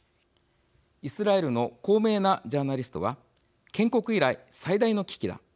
イスラエルの高名なジャーナリストは「建国以来、最大の危機だ。